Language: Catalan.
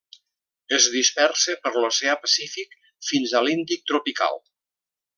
Es dispersa per l'oceà Pacífic, fins a l'Índic tropical.